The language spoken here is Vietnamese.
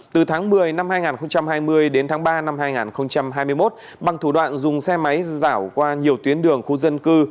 từ tháng một mươi năm hai nghìn hai mươi đến tháng ba năm hai nghìn hai mươi một bằng thủ đoạn dùng xe máy giảo qua nhiều tuyến đường khu dân cư